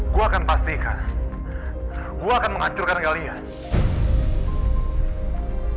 gua akan pastikan gua akan menghancurkan kalian